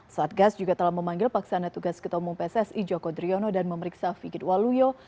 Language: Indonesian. satgas juga telah memanggil paksaannya tugas ketemu pssi joko driono dan memeriksa fikir waluyo